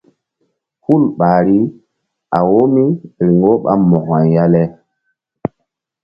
Hul ɓahri a wo mí riŋ wo ɓa Mo̧ko-ay ya le.